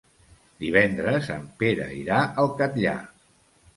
Divendres en Pere irà al Catllar.